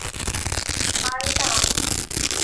আর এটা আমি।